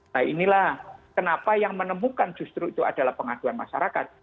nah inilah kenapa yang menemukan justru itu adalah pengaduan masyarakat